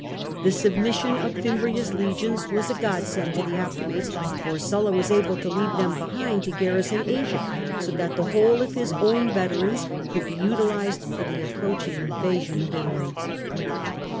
The submission of Fimbria's legions was a godsend to the Optimates, for Sulla was able to leave them behind to garrison Asia, so that the whole of his own veterans could be utilised for the ap proaching invasion of Italy.